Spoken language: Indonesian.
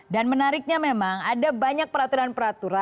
dan menariknya memang ada banyak peraturan peraturan